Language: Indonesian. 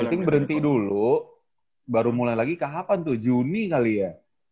penting berhenti dulu baru mulai lagi kapan tuh juni kali ya